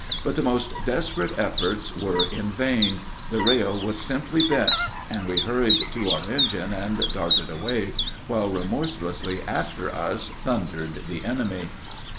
But the most desperate efforts were in vain. The rail was simply bent, and we hurried to our engine and darted away, while remorselessly after us thundered the enemy.